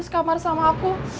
sekamar sama aku